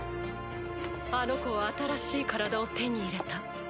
あの子は新しい体を手に入れた。